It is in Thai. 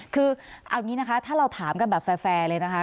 คือเอาอย่างนี้นะคะถ้าเราถามกันแบบแฟร์เลยนะคะ